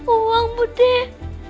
gak punya uang bu deh